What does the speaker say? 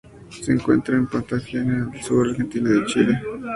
Se encuentra en la Patagonia, al sur de la Argentina y de Chile.